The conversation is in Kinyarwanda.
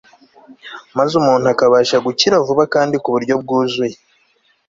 maze umuntu akabasha gukira vuba kandi ku buryo bwuzuye